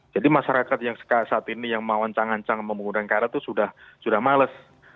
jadi masyarakat yang saat ini yang mau ancang ancang menggunakan krl itu sudah males